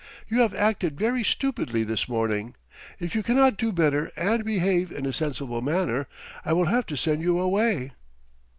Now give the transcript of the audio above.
"You have acted very stupidly this morning. If you cannot do better and behave in a sensible manner, I will have to send you away."